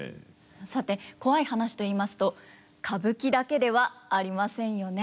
さてコワい話といいますと歌舞伎だけではありませんよね。